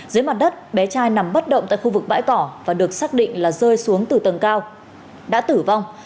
dưới mặt đất bé trai nằm bất động tại khu vực bãi cỏ và được xác định là rơi xuống từ tầng cao đã tử vong